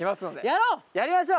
やろう！